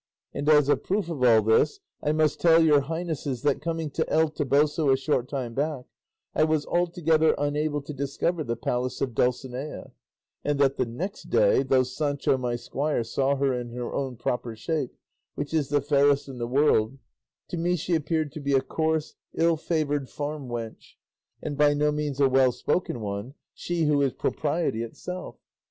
And as a proof of all this, I must tell your highnesses that, coming to El Toboso a short time back, I was altogether unable to discover the palace of Dulcinea; and that the next day, though Sancho, my squire, saw her in her own proper shape, which is the fairest in the world, to me she appeared to be a coarse, ill favoured farm wench, and by no means a well spoken one, she who is propriety itself.